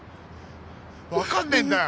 分かんねえんだよ！